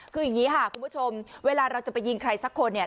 คืออย่างนี้ค่ะคุณผู้ชมเวลาเราจะไปยิงใครสักคนเนี่ย